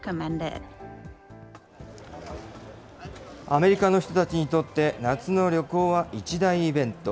アメリカの人たちにとって、夏の旅行は一大イベント。